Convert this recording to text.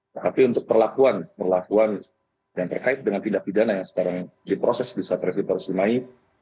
tapi untuk perlakuan perlakuan yang terkait dengan tindak pidana yang sekarang diproses di satre vital simai